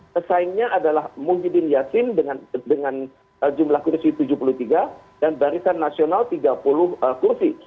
pesaingnya adalah muhyiddin yassin dengan jumlah kursi tujuh puluh tiga dan barisan nasional tiga puluh kursi